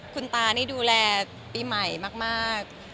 คุณตานี่ดูแลปีใหม่มาก